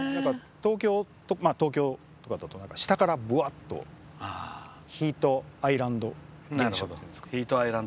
東京とかだと下から、ぶわっとヒートアイランド現象っていうんですか。